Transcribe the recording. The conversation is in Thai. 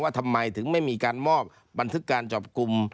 ทำไมถึงไม่มีการมอบบันทึกการจับกลุ่ม